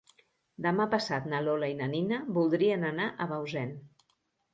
Demà passat na Lola i na Nina voldrien anar a Bausen.